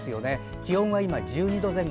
気温は今、１２度前後。